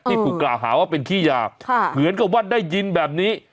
ถูกกล่าวหาว่าเป็นขี้ยาเหมือนกับว่าได้ยินแบบนี้